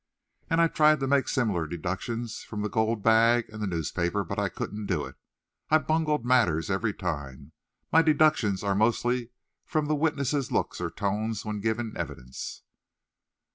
"And I tried to make similar deductions from the gold bag and the newspaper, but I couldn't do it. I bungled matters every time. My deductions are mostly from the witnesses' looks or tones when giving evidence."